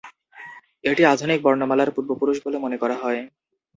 এটি আধুনিক বর্ণমালার পূর্বপুরুষ বলে মনে করা হয়।